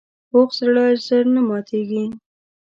پوخ زړه ژر نه ماتیږي